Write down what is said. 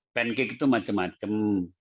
pancake itu macam macam